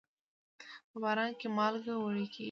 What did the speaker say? په باران کې مالګه وړي کېږي.